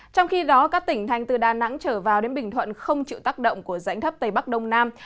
trong khi đó các tỉnh thành từ đà nẵng trở vào đến bình thuận không chịu tác động của rãnh thấp tây bắc đông nam